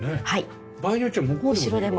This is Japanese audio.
場合によっては向こうでもできる。